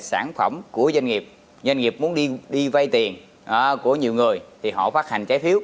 sản phẩm của doanh nghiệp doanh nghiệp muốn đi vay tiền của nhiều người thì họ phát hành trái phiếu